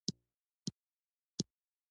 غزني د افغانستان د اقتصادي منابعو ارزښت زیاتوي.